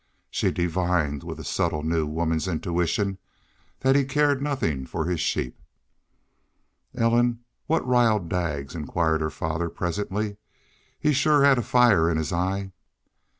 She divined with a subtle new woman's intuition that he cared nothing for his sheep. "Ellen, what riled Daggs?" inquired her father, presently. "He shore had fire in his eye."